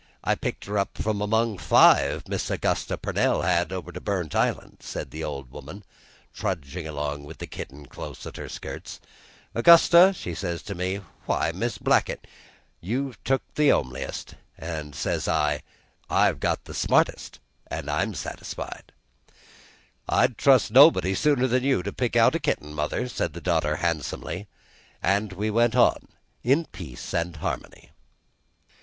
I picked her from among five Miss Augusta Pernell had over to Burnt Island," said the old woman, trudging along with the kitten close at her skirts. "Augusta, she says to me, 'Why, Mis' Blackett, you've took and homeliest;' and, says I, 'I've got the smartest; I'm satisfied.'" "I'd trust nobody sooner'n you to pick out a kitten, mother," said the daughter handsomely, and we went on in peace and harmony.